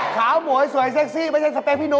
ขาวหมวยสวยเซ็กซี่ไม่ใช่สเปคพี่น